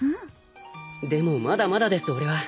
でもまだまだです俺は。